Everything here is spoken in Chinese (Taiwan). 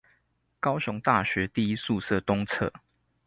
高雄大學第一宿舍東側